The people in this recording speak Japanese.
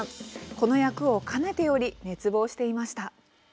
この役をかねてより熱望していました。